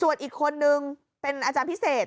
ส่วนอีกคนนึงเป็นอาจารย์พิเศษ